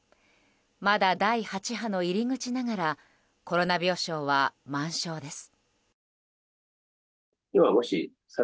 まだ第８波の入り口ながらすでにコロナ病床は満床です。